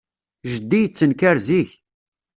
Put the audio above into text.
Jeddi yettenkar zik.